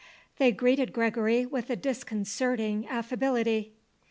They greeted Gregory with a disconcerting affability.